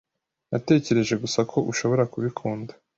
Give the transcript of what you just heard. Natekereje gusa ko ushobora kubikunda.